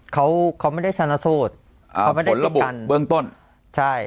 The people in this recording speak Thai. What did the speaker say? เขาเขาไม่ได้ชนสูตรอ่าผลระบุเบื้องต้นใช่